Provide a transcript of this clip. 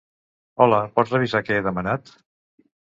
Hola pots revisar que he demanat?